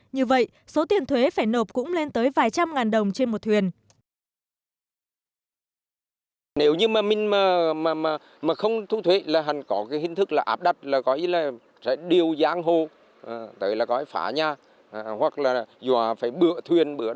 như vậy số tiền thuế phải nộp cũng lên tới vài trăm ngàn đồng trên một thuyền